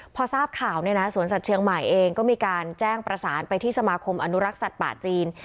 พอทราบข่าวเนี่ยนะสวนสัตว์เชียงใหม่เองก็มีการแจ้งประสานไปที่สมาคมอนุรักษ์สัตว์ป่าจีน